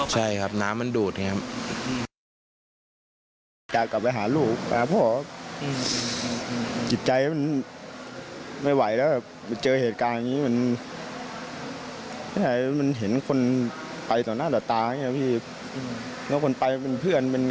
ใช่ครับน้ำมันดูดอย่างนี้ครับ